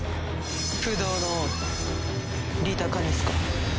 不動の王リタ・カニスカ。